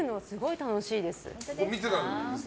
見てたんですね。